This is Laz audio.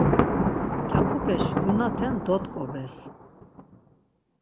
Mǩyapupe şkurnaten dot̆ǩobes.